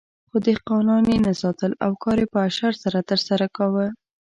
خو دهقانان یې نه ساتل او کار یې په اشر سره ترسره کاوه.